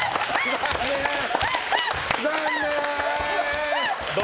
残念！